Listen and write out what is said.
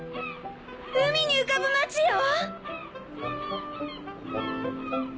海に浮かぶ町よ！